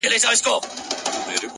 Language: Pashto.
لوړ فکر لوی بدلونونه راولي